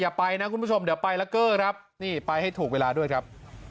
อย่าไปนะคุณผู้ชมเดี๋ยวไปละเกอร์ครับนี่ไปให้ถูกเวลาด้วยครับ